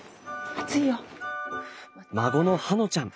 孫の葉埜ちゃん。